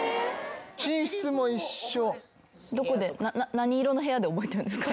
何色の部屋で覚えてるんですか？